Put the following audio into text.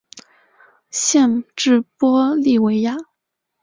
县治玻利维亚。